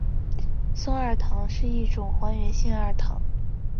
松二糖是一种还原性二糖。